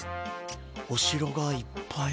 おしろがいっぱい。